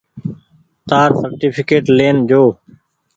تآر سرٽيڦڪيٽ لين جو۔